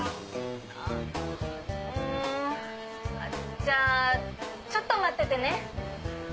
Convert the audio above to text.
じゃあちょっと待っててね。